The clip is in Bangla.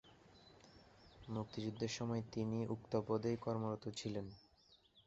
মুক্তিযুদ্ধের সময় তিনি উক্ত পদেই কর্মরত ছিলেন।